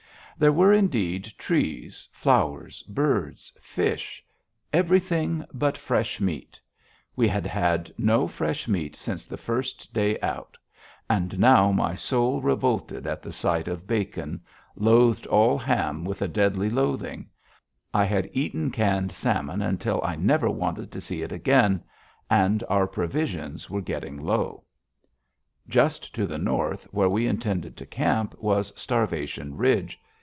There were, indeed, trees, flowers, birds, fish everything but fresh meat. We had had no fresh meat since the first day out. And now my soul revolted at the sight of bacon. I loathed all ham with a deadly loathing. I had eaten canned salmon until I never wanted to see it again. And our provisions were getting low. Just to the north, where we intended to camp, was Starvation Ridge.